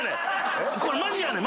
これマジやねん！